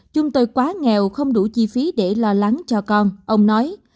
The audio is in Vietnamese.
chúng tôi quá nghèo không đủ chi phí để lo lắng cho con ông nói